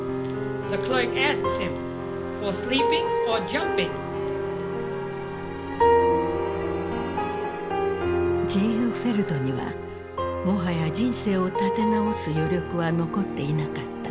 ジーグフェルドにはもはや人生を立て直す余力は残っていなかった。